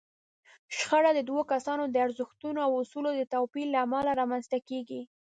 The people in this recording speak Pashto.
شخړه د دوو کسانو د ارزښتونو او اصولو د توپير له امله رامنځته کېږي.